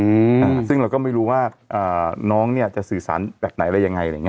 อืมอ่าซึ่งเราก็ไม่รู้ว่าอ่าน้องเนี้ยจะสื่อสารแบบไหนอะไรยังไงอะไรอย่างเง